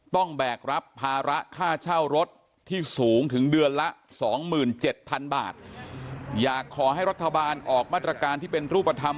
แบกรับภาระค่าเช่ารถที่สูงถึงเดือนละสองหมื่นเจ็ดพันบาทอยากขอให้รัฐบาลออกมาตรการที่เป็นรูปธรรม